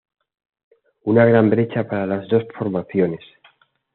Una gran brecha separa las dos formaciones.